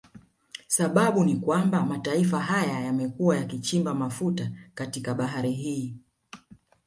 Sababau ni kwamba mataifa haya yamekuwa yakichimba mafuta katika bahari hii